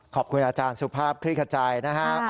ขอบคุณอาจารย์สุภาพริขจัยนะครับ